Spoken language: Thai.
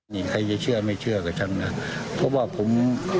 นี่ใครจะเชื่อไม่เชื่อกับฉันนะเพราะว่าผม